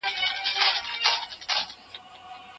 ماشومان زده کړه روانه ساتلې ده.